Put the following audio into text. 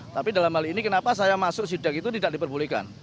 tapi dalam hal ini kenapa saya masuk sidak itu tidak diperbolehkan